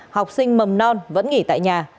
học sinh mầm non vẫn nghỉ tại nhà